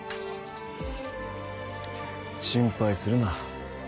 心配するな。